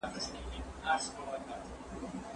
د ژورنالیزم محصلین کوم نوي مضامین لولي؟